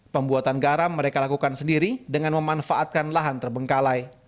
pembuatan garam mereka lakukan sendiri dengan memanfaatkan lahan terbengkalai